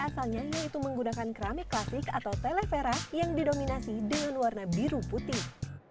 asalnya yaitu menggunakan keramik klasik atau televera yang didominasi dengan warna biru putih